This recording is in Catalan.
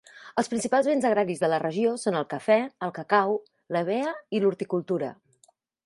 Els principals béns agraris de la regió són el cafè, el cacau, l'hevea i l'horticultura.